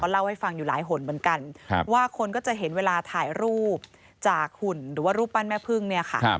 เล่าให้ฟังอยู่หลายหนเหมือนกันว่าคนก็จะเห็นเวลาถ่ายรูปจากหุ่นหรือว่ารูปปั้นแม่พึ่งเนี่ยค่ะ